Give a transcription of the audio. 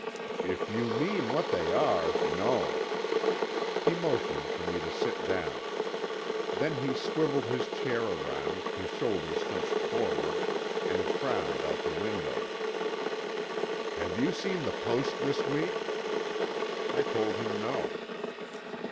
"If you mean what they are—no." He motioned for me to sit down. Then he swiveled his chair around, his shoulders hunched forward, and frowned out the window. "Have you seen the Post this week?" I told him no.